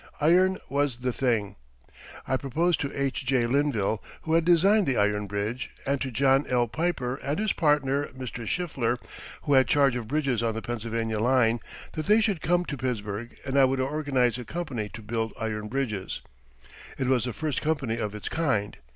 Iron was the thing. I proposed to H.J. Linville, who had designed the iron bridge, and to John L. Piper and his partner, Mr. Schiffler, who had charge of bridges on the Pennsylvania line, that they should come to Pittsburgh and I would organize a company to build iron bridges. It was the first company of its kind.